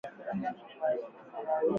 unga wa viazi lishe hutumika kupikia keki